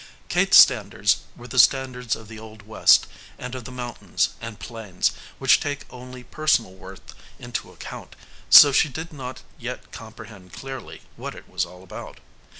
Kate's standards were the standards of the old west and of the mountains and plains, which take only personal worth into account, so she did not yet comprehend clearly what it was all about.